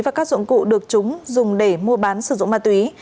và các dụng cụ được chúng dùng để mua bán sử dụng ma túy